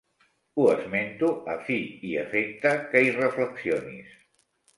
Ho esmento a fi i efecte que hi reflexionis.